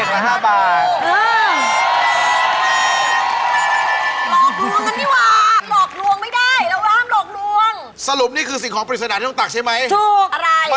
มันคือปลาทูใช่ไหม